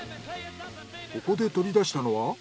ここで取り出したのは。